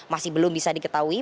masih belum bisa diketahui